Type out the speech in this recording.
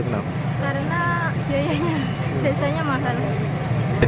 karena biayanya sisanya mahal